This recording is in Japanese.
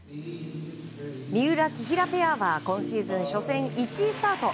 三浦、木原ペアは今シーズン初戦１位スタート。